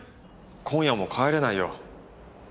今夜も帰れないよ。